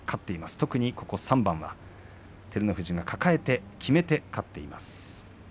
特にここ３番は照ノ富士が抱えてきめて勝っています。